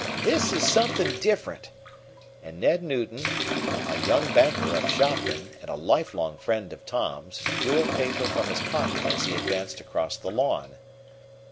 This is something different," and Ned Newton, a young banker of Shopton and a lifelong friend of Tom's, drew a paper from his pocket as he advanced across the lawn.